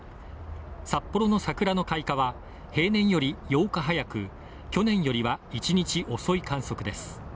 札幌の桜の開花は平年より８日早く去年よりは１日遅い観測です。